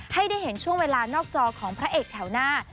ให้ได้เห็นช่วงเวลานอกจอของพระเอกแถวหน้า